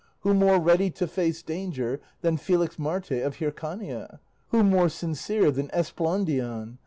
Who more ready to face danger than Felixmarte of Hircania? Who more sincere than Esplandian?